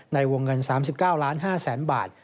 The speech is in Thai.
ในวงเงิน๓๙๕๐๐๐๐บาท